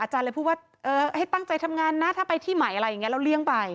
เลยพูดว่าให้ตั้งใจทำงานนะถ้าไปที่ใหม่อะไรอย่างนี้เราเลี้ยงไป